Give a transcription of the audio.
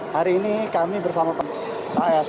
hari ini kami bersama pak s h l